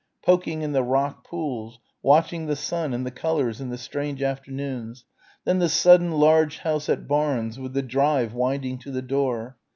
poking in the rock pools, watching the sun and the colours in the strange afternoons ... then the sudden large house at Barnes with the "drive" winding to the door....